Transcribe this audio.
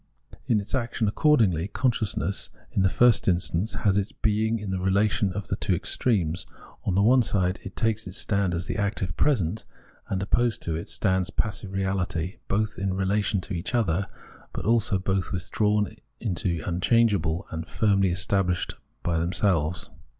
In its action, accordingly, consciousness, in the first instance, has its being in the relation of two extremes. On one side it takes its stand as the active present (Diesseits), and opposed to it stands passive reahty : both in relation to each other, but also both withdrawn into the unchangeable, and firmly estabhshed in them selves.